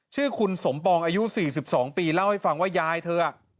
ชื่อคุณสมปองอายุ๔๒ปีเล่าให้ฟังว่ายายเธอ